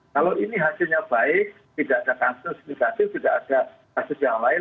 kalau ini hasilnya baik tidak ada kasus negatif tidak ada kasus yang lain